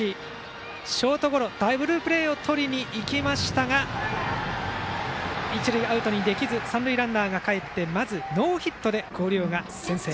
ショートゴロダブルプレーとりにいきましたが一塁、アウトにできず三塁ランナーがかえってまずノーヒットで広陵が先制。